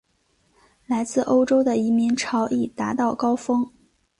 来自欧洲的移民潮亦达到高峰。